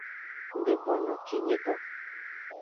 Ngdegbono no kinyi do.